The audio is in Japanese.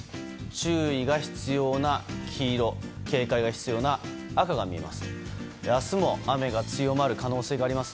注意が必要な黄色警戒が必要な赤が見られます。